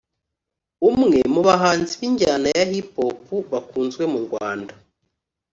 Umwe mu bahanzi b’injyana ya Hip Hop bakunzwe mu Rwanda